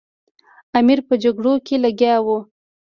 امیر په جګړو کې لګیا وو.